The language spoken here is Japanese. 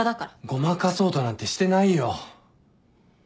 ごまかそうとなんてしてないよ。